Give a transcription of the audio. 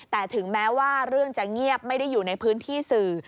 แต่ถึงแม้ว่าเรื่องจะเงียบไม่ได้อยู่ในพื้นที่สื่อ